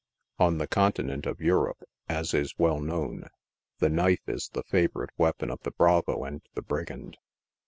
On the Continent of Europe, as is well known, the knife is the favorite weapon of the bravo and the brigand.